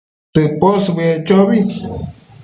tëposbëec chobi